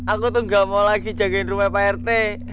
aku tuh gak mau lagi jagain rumah pak rt